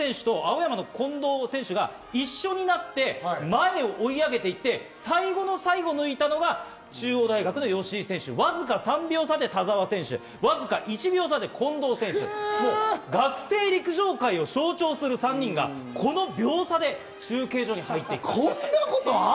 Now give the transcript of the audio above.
吉居選手がちょっと落ちるんですが、ここで中央の吉居選手と青山の近藤選手が一緒になって前を追い上げて行って、最後の最後、抜いたのが中央大学・吉居選手、わずか３秒差で田澤選手、わずか１秒差で近藤選手、学生陸上界を象徴する３人がこの秒差で中継所に入っていきました。